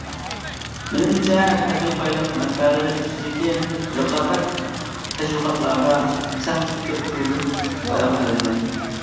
مېنىڭچە تەبىئىي بايلىق مەنبەلىرى ئۈستىدىكى رىقابەت تەشۋىقاتلاردا سەل كۆپتۈرۈلۈپ بايان قىلىندى.